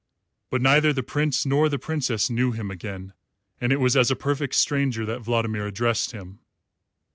But neither the Prince nor the Princess knew him again, and it was as a perfect stranger that Vladimir addressed him.